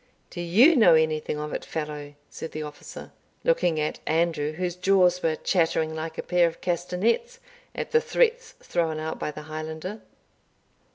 "Do you know anything of it, fellow?" said the officer, looking at Andrew, whose jaws were chattering like a pair of castanets at the threats thrown out by the Highlander.